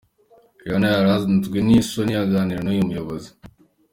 Rihanna yaranzwe n’isoni aganira n’uyu muyobozi.